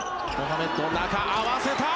中、合わせた！